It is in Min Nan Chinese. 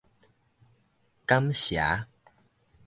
感邪